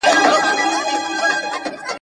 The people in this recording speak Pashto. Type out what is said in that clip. وېره `